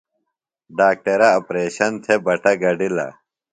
ڈاکٹرہ اپریشن تھےۡ بٹہ گڈِلہ۔